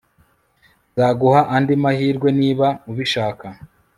Nzaguha andi mahirwe niba ubishaka